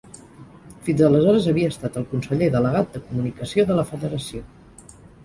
Fins aleshores havia estat el conseller delegat de comunicació de la federació.